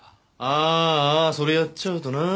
あーあそれやっちゃうとな。